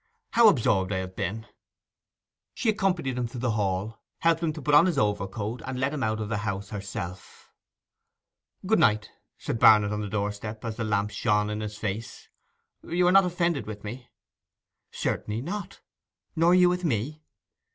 'How absorbed I have been!' She accompanied him to the hall, helped him to put on his overcoat, and let him out of the house herself. 'Good night,' said Barnet, on the doorstep, as the lamp shone in his face. 'You are not offended with me?' 'Certainly not. Nor you with me?